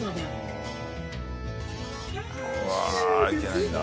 うわあ行けないんだ。